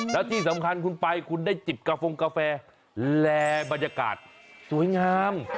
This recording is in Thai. แล้วที่สำคัญคุณไปคุณได้จิบกาฟงกาแฟและบรรยากาศสวยงาม